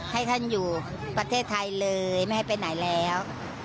ให้ท่านอยู่ประเทศไทยเลยไม่ให้ไปไหนแล้ว